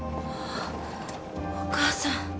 お母さん。